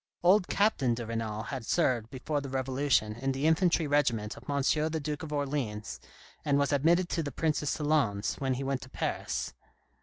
Old Captain de Renal had served, before the Revolution, in the infantry regiment of M. the Duke of Orleans, and was admitted to the Prince's salons when he went to Paris.